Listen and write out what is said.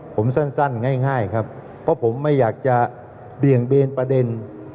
ผมสั้นง่ายครับเพราะผมไม่อยากจะเบี่ยงเบนประเด็น